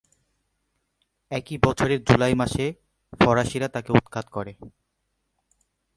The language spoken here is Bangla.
একই বছরের জুলাই মাসে ফরাসিরা তাকে উৎখাত করে।